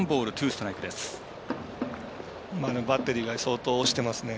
バッテリーが相当押してますね。